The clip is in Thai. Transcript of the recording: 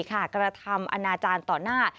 กระทำอนาจารย์ต่อหน้า